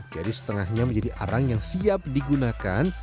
jadi setengahnya menjadi arang yang siap digunakan